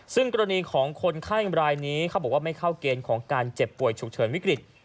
ซึ่งกรณีของคนไข้รายนี้เขาบอกว่าไม่เข้าเกณฑ์ของการเจ็บป่วยฉุกเฉินวิกฤต